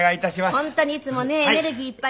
本当にいつもねエネルギーいっぱい。